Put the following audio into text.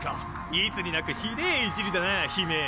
いつになくひでぇいじりだなぁ姫。